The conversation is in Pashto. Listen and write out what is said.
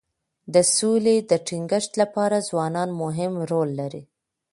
د سولې د ټینګښت لپاره ځوانان مهم رول لري.